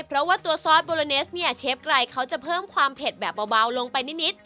เพราะว่าตัวซอสโบโลเนสเนี่ยเชฟไกรเขาจะเพิ่มความเผ็ดแบบเบาลงไปนิด